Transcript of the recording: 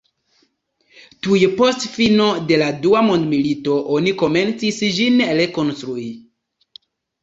Tuj post fino de la dua mondmilito oni komencis ĝin rekonstrui.